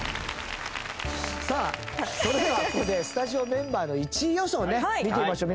さあそれではここでスタジオメンバーの１位予想をね見てみましょう。